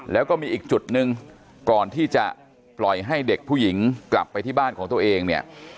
แล้วก็มีอีกจุดหนึ่งก่อนที่จะปล่อยให้เด็กผู้หญิงกลับไปที่บ้านของตัวเองเนี่ย